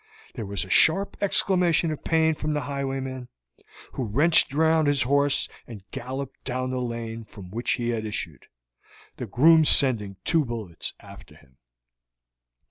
There was a sharp exclamation of pain from the highwayman, who wrenched round his horse and galloped down the lane from which he had issued, the groom sending two bullets after him.